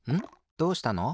どうしたの？